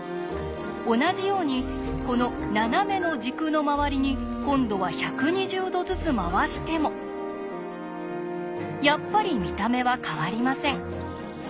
同じようにこの斜めの軸の周りに今度は１２０度ずつ回してもやっぱり見た目は変わりません。